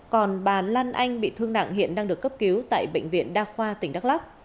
còn bà lan anh bị thương nặng hiện đang được cấp cứu tại bệnh viện đa khoa tỉnh đắk lắc